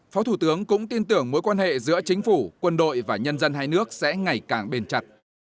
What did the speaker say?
phó thủ tướng cũng tin tưởng mối quan hệ giữa chính phủ quân đội và nhân dân hai nước sẽ ngày càng bền chặt